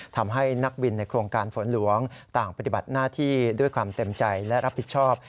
ทำให้นักบินในโครงการฝนหลวงต่างปฏิบัติหน้าที่ด้วยความเต็มใจและรับผิดชอบ